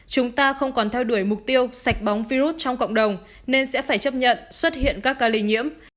chúng ta không còn theo đuổi mục tiêu sạch bóng virus trong cộng đồng nên sẽ phải chấp nhận xuất hiện các ca lây nhiễm